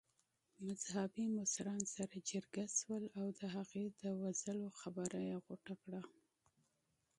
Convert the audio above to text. مذهبي مشران سره جرګه شول او د هغې د وژلو خبره يې غوټه کړه.